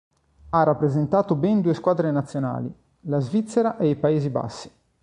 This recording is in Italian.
Ha rappresentato ben due squadre nazionali: la Svizzera e i Paesi Bassi.